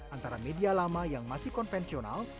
antara media lama yang masih konvensional